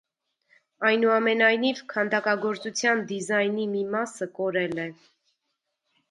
Այնուամենայնիվ, քանդակագործության դիզայնի մի մասը) կորել է։